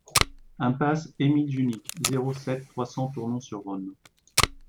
Impasse Émile Junique, zéro sept, trois cents Tournon-sur-Rhône